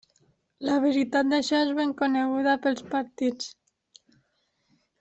La veritat d'això és ben coneguda pels partits.